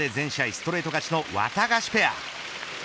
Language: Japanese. ストレート勝ちのワタガシペア。